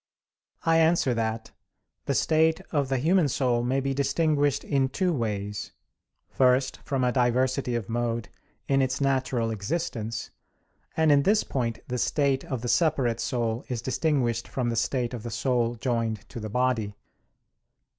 I answer that, The state of the human soul may be distinguished in two ways. First, from a diversity of mode in its natural existence; and in this point the state of the separate soul is distinguished from the state of the soul joined to the body.